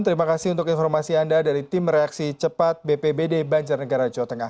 terima kasih untuk informasi anda dari tim reaksi cepat bpbd banjarnegara jawa tengah